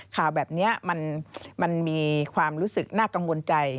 ข่าวแบบนี้มันมีความรู้สึกน่ากังวลใจ